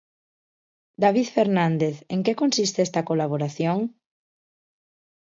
David Fernández, en que consiste esta colaboración?